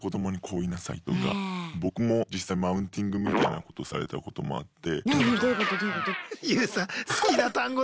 僕も実際マウンティングみたいなことされたこともあって。